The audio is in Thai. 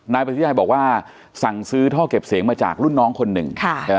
ปฏิทิชัยบอกว่าสั่งซื้อท่อเก็บเสียงมาจากรุ่นน้องคนหนึ่ง